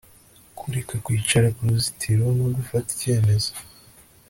Kureka kwicara ku ruzitiro no gufata icyemezo